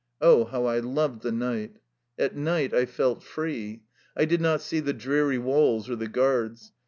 Oh, how I loved the night! At night I felt free. I did not see the dreary walls or the guards.